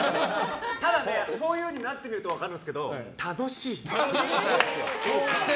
ただふぉゆになってみると分かるんですけど、楽しい。